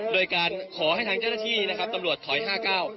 โดยการขอให้ทางเจ้าหน้าที่นะครับตำรวจถอยห้าเก้า